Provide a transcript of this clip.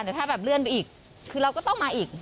แต่ถ้าแบบเลื่อนไปอีกคือเราก็ต้องมาอีก